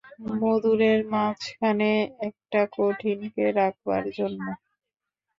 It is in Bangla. মধুরের মাঝখানে একটা কঠিনকে রাখবার জন্যে।